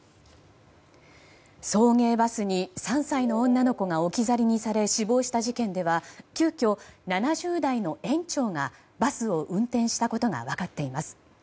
送迎バスに３歳の女の子が置き去りにされ死亡した事件では急きょ、７０代の園長がバスを運転したことが分かっています。